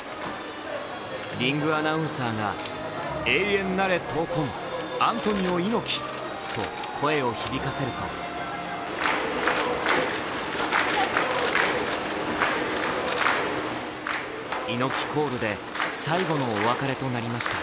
リングアナウンサーが「永遠なれ闘魂！アントニオ猪木！」と声を響かせると猪木コールで最後のお別れとなりました。